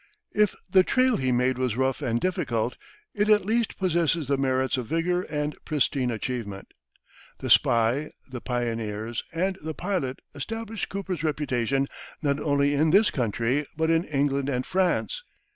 If the trail he made was rough and difficult, it at least possesses the merits of vigor and pristine achievement. "The Spy," "The Pioneers," and "The Pilot" established Cooper's reputation not only in this country, but in England and France.